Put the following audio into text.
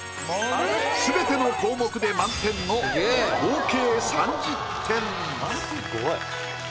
すべての項目で満点の合計３０点。